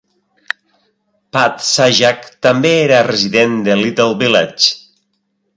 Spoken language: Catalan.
Pat Sajak també era resident de Little Village.